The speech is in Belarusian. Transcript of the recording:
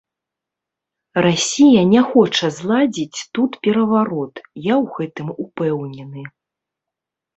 Расія не хоча зладзіць тут пераварот, я ў гэтым упэўнены.